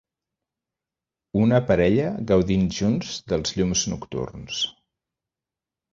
Una parella gaudint junts dels llums nocturns.